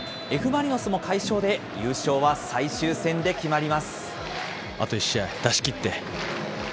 Ｆ・マリノスも快勝で優勝は最終戦で決まります。